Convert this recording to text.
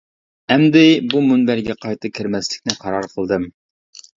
ئەمدى بۇ مۇنبەرگە قايتا كىرمەسلىكنى قارار قىلدىم.